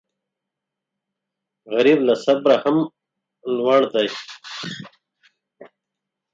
غریب له صبره هم لوړ دی